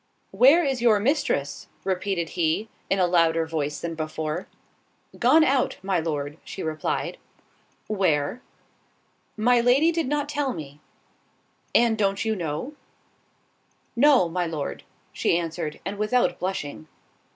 "Where is your mistress?" repeated he, in a louder voice than before. "Gone out, my Lord," she replied. "Where?" "My Lady did not tell me." "And don't you know?" "No, my Lord:" she answered, and without blushing.